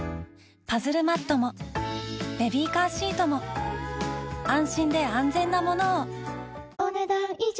パズルマットもベビーカーシートも安心で安全なものをお、ねだん以上。